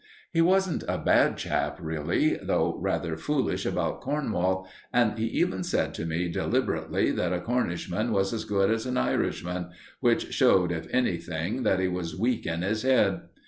He wasn't a bad chap really, though rather foolish about Cornwall, and he even said to me deliberately that a Cornishman was as good as an Irishman, which showed, if anything, that he was weak in his head.